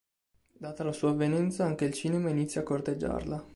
Data la sua avvenenza, anche il cinema inizia a corteggiarla.